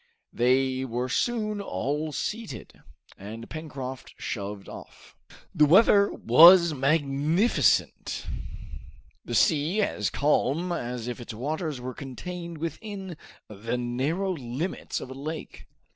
They were soon all seated, and Pencroft shoved off. The weather was magnificent, the sea as calm as if its waters were contained within the narrow limits of a lake.